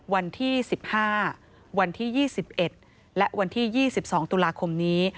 วันที่๑๕วันที่๒๑และวันที่๒๒ตุลาคมนี้